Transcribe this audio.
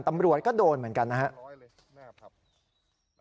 ตำรวจก็โดนเหมือนกันนะครับ